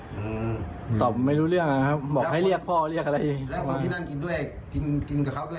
ผมตอบไม่รู้เรื่องนะครับบอกให้เรียกพ่อเรียกอะไรแล้วคนที่นั่งกินด้วยกินกินกับเขาด้วย